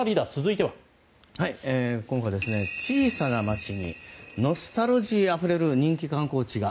今回は、小さな町にノスタルジーあふれる人気観光地が。